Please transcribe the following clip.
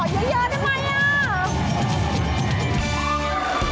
เยอะทำไมอ่ะ